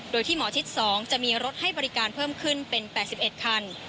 โดยที่หมอชิด๒จะมีรถให้บริการเพิ่มขึ้นเป็น๘๑คัน